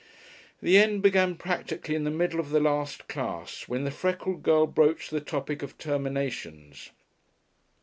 The end began practically in the middle of the last class, when the freckled girl broached the topic of terminations.